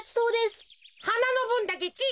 はなのぶんだけちぃ